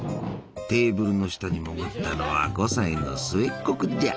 テーブルの下に潜ったのは５歳の末っ子君じゃ。